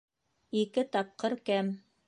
Ике тапҡыр кәм